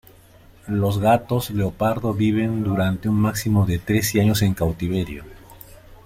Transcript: Los gatos leopardo viven durante un máximo de trece años en cautiverio.